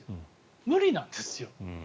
無理なんですよ。